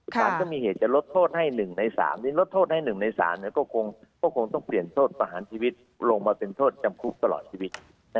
สารก็มีเหตุจะลดโทษให้๑ใน๓นี้ลดโทษให้๑ใน๓ก็คงต้องเปลี่ยนโทษประหารชีวิตลงมาเป็นโทษจำคุกตลอดชีวิต